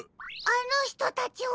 あのひとたちは。